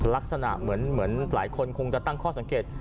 ลักษณะเหมือนหลายคนคงจะตั้งข้อสังเกต